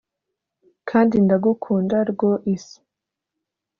kandi ndagukunda rwoise